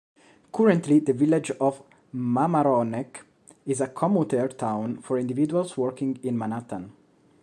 Currently the village of Mamaroneck is a commuter town for individuals working in Manhattan.